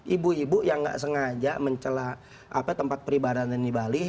ibu ibu yang nggak sengaja mencela tempat peribadatan di bali